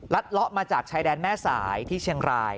เลาะมาจากชายแดนแม่สายที่เชียงราย